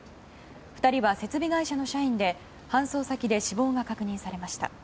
２人は設備会社の社員で搬送先で死亡が確認されました。